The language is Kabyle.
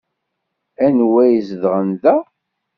Anwa i izedɣen da?